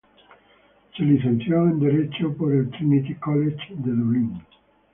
Se licenció en derecho por el Trinity College de Dublín.